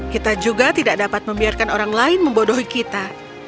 kita juga tidak dapat membiarkan orang lain membodohi kita